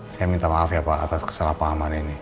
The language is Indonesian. saya minta maaf ya pak atas kesalahpahaman ini